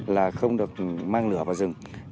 là không được mang lửa vào rừng